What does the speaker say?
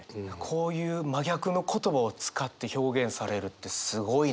こういう真逆の言葉を使って表現されるってすごいなって。